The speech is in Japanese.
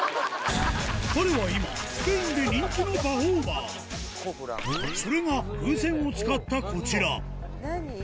彼は今スペインで人気のパフォーマーそれが風船を使ったこちら何？